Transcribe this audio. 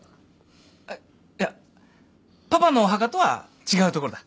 あっいやパパのお墓とは違う所だたぶん。